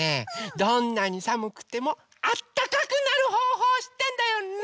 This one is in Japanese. どんなにさむくてもあったかくなるほうほうをしってんだよ。ね！